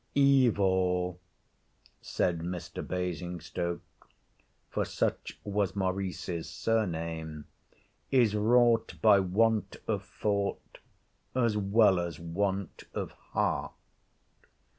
'Evil,' said Mr. Basingstoke, for such was Maurice's surname, 'is wrought by want of thought as well as want of heart.